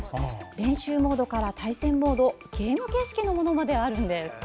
練習モードから対戦モードゲーム形式のものまであるんです。